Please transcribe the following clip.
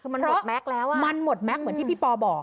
คือมันหมดแม็กซ์แล้วอ่ะมันหมดแม็กซ์เหมือนที่พี่ปอบอก